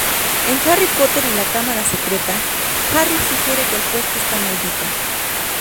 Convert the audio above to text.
En "Harry Potter y la cámara secreta" Hagrid sugiere que el puesto está Maldito.